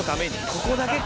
ここだけか！